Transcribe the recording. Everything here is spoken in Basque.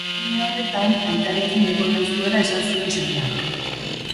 Une horretan, aitarekin egon nahi zuela esan zion semeak.